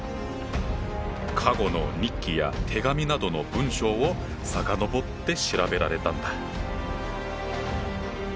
過去の日記や手紙などの文章を遡って調べられたんだ。